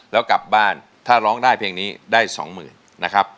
แล้วกลับบ้านถ้าร้องได้เพลงนี้ได้สองหมื่นนะครับ